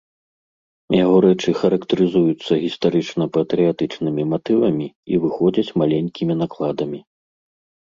Яго рэчы характарызуюцца гістарычна-патрыятычнымі матывамі і выходзяць маленькімі накладамі.